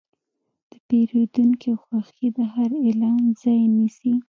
د پیرودونکي خوښي د هر اعلان ځای نیسي.